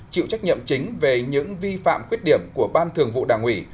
chịu trách nhiệm chính về những vi phạm khuyết điểm của ban thường vụ đảng ủy